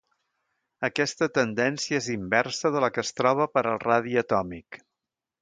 Aquesta tendència és inversa de la que es troba per al radi atòmic.